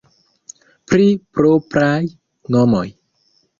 Pri propraj nomoj.